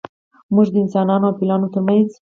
موږ د انسانانو او فیلانو ترمنځ